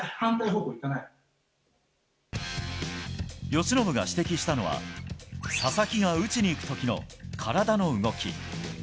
由伸が指摘したのは、佐々木が打ちに行くときの体の動き。